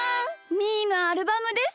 みーのアルバムです。